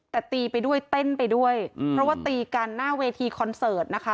แต่ตีไปด้วยเต้นไปด้วยเพราะว่าตีกันหน้าเวทีคอนเสิร์ตนะคะ